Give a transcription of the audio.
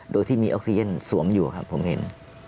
โดยที่มีออกซิเจนสวมอยู่ครับผมเห็น